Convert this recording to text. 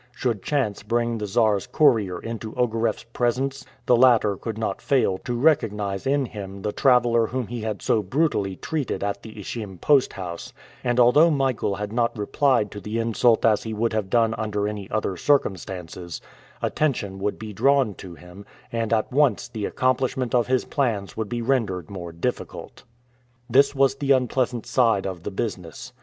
Should chance bring the Czar's courier into Ogareff's presence, the latter could not fail to recognize in him the traveler whom he had so brutally treated at the Ichim post house, and although Michael had not replied to the insult as he would have done under any other circumstances, attention would be drawn to him, and at once the accomplishment of his plans would be rendered more difficult. This was the unpleasant side of the business.